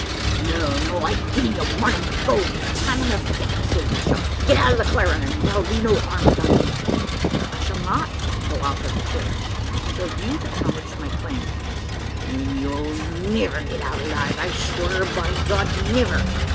No, no; I've gin ye warnin' to go. Ye've time enuf yet to save yerself. Git out o' the clarin', an' thur'll be no harm done ye!" "I shall not go out of the clearing, until you've acknowledged my claim." "Then you'll niver go out o' it alive I swar by God! niver!"